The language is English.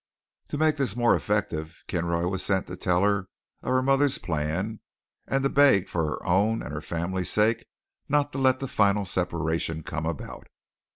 To make this more effective, Kinroy was sent to tell her of her mother's plan and beg her for her own and her family's sake not to let the final separation come about.